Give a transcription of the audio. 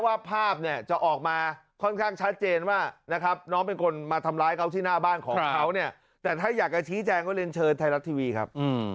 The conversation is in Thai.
หน้าบ้านของเขาเนี่ยแต่ถ้าอยากจะชี้แจงก็เรียนเชิญไทยรัฐทีวีครับ